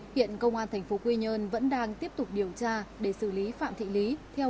hiện công an thành phố quy nhơn vẫn đang tiếp tục điều tra để xử lý phạm thị lý